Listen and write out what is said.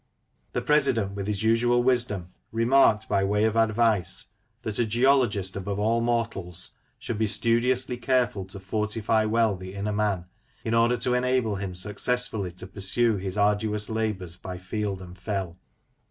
The President, with his usual wisdom, remarked by way of advice, that a geologist, above all mortals, should be studiously careful to fortify well the inner man, in order to enable him successfully to pursue his arduous labours by field and fell.